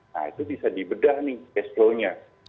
nah itu bisa dibedah nih cash flow nya